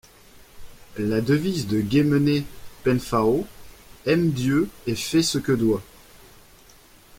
La devise de Guémené-Penfao : Aime Dieu et fais ce que doit.